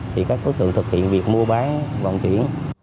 thì các đối tượng thực hiện việc mua bán vận chuyển